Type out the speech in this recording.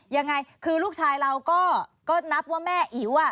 ยังไงคือลูกชายเราก็นับว่าแม่อิ๋ว